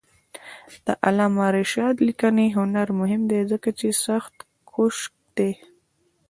د علامه رشاد لیکنی هنر مهم دی ځکه چې سختکوش دی.